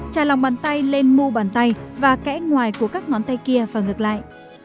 tràn lòng bàn tay lên mu bàn tay và kẽ ngoài của các ngón tay kia và ngược lại